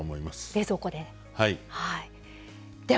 冷蔵庫で。